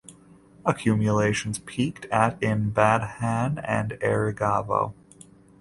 Accumulations peaked at in Badhan and in Erigavo.